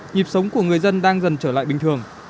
nhịp sống của người dân đang dần trở lại bình thường